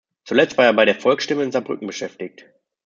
Zuletzt war er bei der „Volksstimme“ in Saarbrücken beschäftigt.